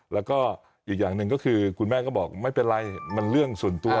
แล้วก็อีกอย่างหนึ่งก็คือคุณแม่ก็บอกไม่เป็นไรมันเรื่องส่วนตัว